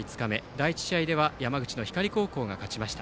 第１試合では山口の光高校が勝ちました。